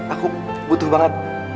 aku butuh banget